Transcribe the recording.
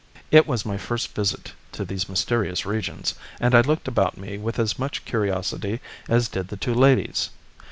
It was my first visit to these mysterious regions, and I looked about me with as much curiosity as did the two ladies.